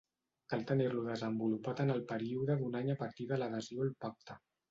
Cal tenir-lo desenvolupat en el període d'un any a partir de l'adhesió al Pacte.